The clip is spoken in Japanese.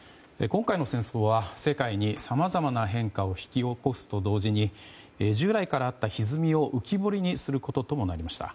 今回の戦争は世界にさまざまな変化を引き起こすと同時に従来からあったひずみを浮き彫りにすることともなりました。